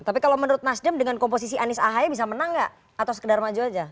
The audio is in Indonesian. tapi kalau menurut nasdem dengan komposisi anies ahy bisa menang nggak atau sekedar maju aja